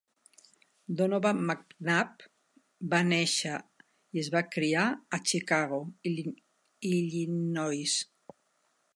Donovan McNabb va néixer i es va criar a Chicago, Illinois.